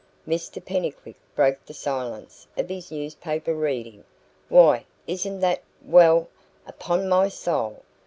Mr Pennycuick broke the silence of his newspaper reading. "Why, isn't that Well, upon my soul!